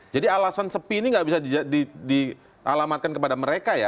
jadi alasan sepi ini gak bisa dialamatkan kepada mereka ya